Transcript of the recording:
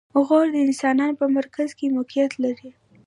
غور د افغانستان په مرکز کې موقعیت لري.